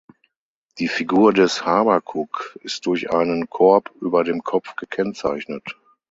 Die Figur des Habakuk ist durch einen Korb über dem Kopf gekennzeichnet.